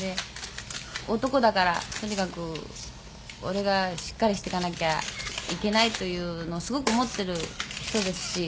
「男だからとにかく俺がしっかりしてかなきゃいけないというのをすごく持ってる人ですし。